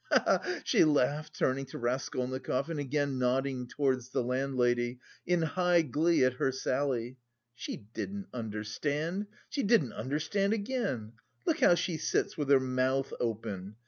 Ha ha ha!" She laughed turning to Raskolnikov, and again nodding towards the landlady, in high glee at her sally. "She didn't understand, she didn't understand again! Look how she sits with her mouth open!